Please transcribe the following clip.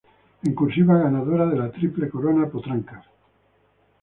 En Cursiva Ganadoras de la Triple Corona Potrancas.